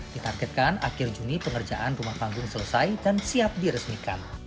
ditargetkan akhir juni pengerjaan rumah panggung selesai dan siap diresmikan